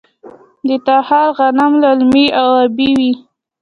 د تخار غنم للمي او ابي وي.